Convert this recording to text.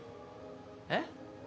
えっ？